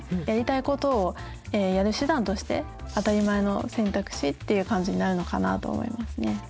やりたいことをやる手段として当たり前の選択肢っていう感じになるのかなと思いますね。